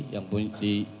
yang pun di